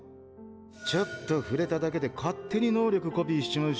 ちょっと触れただけで勝手に能力コピーしちまうし。